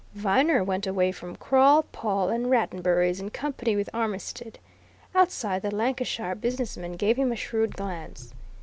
Viner went away from Crawle, Pawle, and Rattenbury's in company with Armitstead. Outside, the Lancashire business man gave him a shrewd glance.